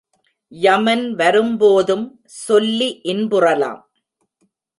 யமன் வரும்போதும் சொல்லி இன்புறலாம்.